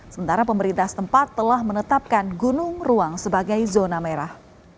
sementara pemerintah setempat telah menetapkan gunung ruang sebagai zona merah